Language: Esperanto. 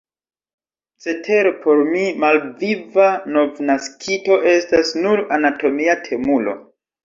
Cetere por mi malviva novnaskito estas nur anatomia temulo.